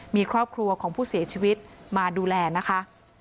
มีครอบครัวของผู้เสียชีวิตมาดูแลนะคะ